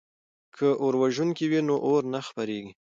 که اوروژونکي وي نو اور نه خپریږي.